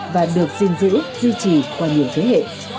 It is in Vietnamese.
và được dinh dữ duy trì qua nhiều thế hệ